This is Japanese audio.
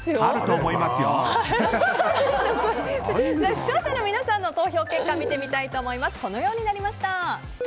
視聴者の皆さんの投票結果見てみたいと思います。